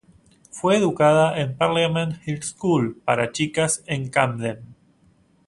Fue educada en Parliament Hill School para chicas en Camden.